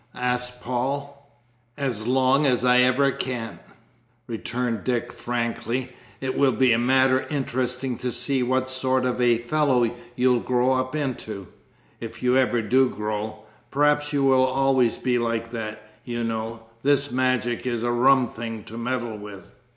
asked Paul. "As long as ever I can!" returned Dick frankly. "It will be rather interesting to see what sort of a fellow you'll grow into if you ever do grow. Perhaps you will always be like that, you know. This magic is a rum thing to meddle with."